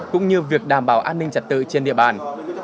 cũng như việc đảm bảo an ninh trật tự trên địa bàn